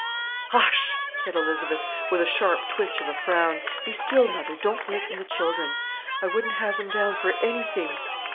"Hush!" said Elizabeth, with a sharp twitch of a frown. "Be still, mother, don't waken th' children: I wouldn't have them down for anything!"